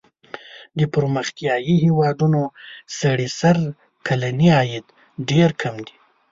د پرمختیايي هېوادونو سړي سر کلنی عاید ډېر کم دی.